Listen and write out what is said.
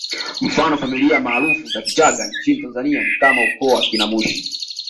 Mfano familia maarufu za Kichaga nchini Tanzania ni kama ukoo wa akina Mushi